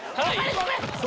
ごめん！